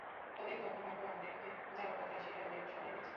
তবে যখন ভাগ্য আমাদের পক্ষে যাওয়ার কথা, সেটা ওদের সহায় হয়েছে।